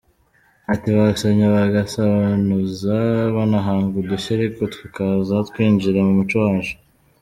Ati “Basomye bagasobanuza banahanga udushya ariko tukaza twinjira mu muco wacu.